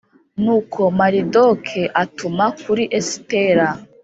nuko maridoke atuma kuri esitera,